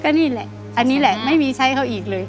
นี่แหละอันนี้แหละไม่มีใช้เขาอีกเลย